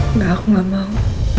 enggak aku gak mau